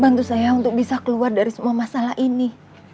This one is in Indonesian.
bantu saya untuk bisa keluar dari semua masalah ini